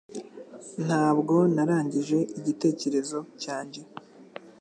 Ntabwo narangije igitekerezo cyanjye